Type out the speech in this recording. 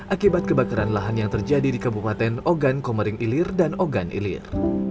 akibat kebakaran lahan yang terjadi di kabupaten ogan komering ilir dan ogan ilir